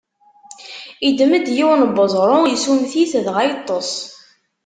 Iddem-d yiwen n uẓru, issummet-it, dɣa yeṭṭeṣ.